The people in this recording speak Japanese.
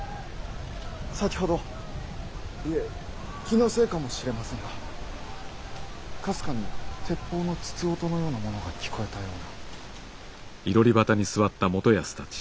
先ほどいえ気のせいかもしれませんがかすかに鉄砲の筒音のようなものが聞こえたような。